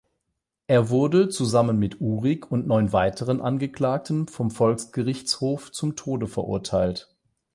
Er wurde zusammen mit Uhrig und neun weiteren Angeklagten vom Volksgerichtshof zum Tode verurteilt.